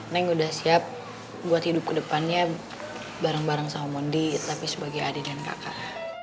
neng udah siap buat hidup kedepannya bareng bareng sama mondi tapi sebagai adik dan kakak